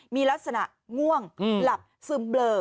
มีลักษณะง่วงหลับซึมเบลอ